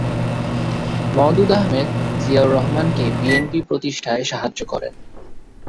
মওদুদ আহমেদ জিয়াউর রহমানকে বিএনপি প্রতিষ্ঠায় সাহায্য করেন।